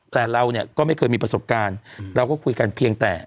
แต่เราเนี่ยก็ไม่เคยมีประสบการณ์เราก็คุยกันเพียงแต่